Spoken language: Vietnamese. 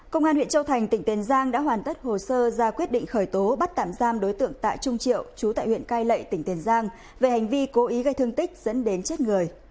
công an huyện châu thành tỉnh tiền giang đã hoàn tất hồ sơ ra quyết định khởi tố bắt tạm giam đối tượng tạ trung triệu chú tại huyện cai lệ tỉnh tiền giang về hành vi cố ý gây thương tích dẫn đến chết người